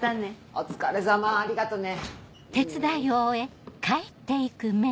お疲れさまありがとね。